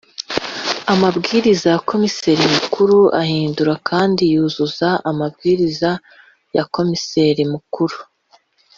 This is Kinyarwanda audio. amabwiriza ya komiseri mukuru ahindura kandi yuzuza amabwiriza ya komiseri mukuru